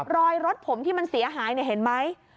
รถผมที่มันเสียหายเห็นไหม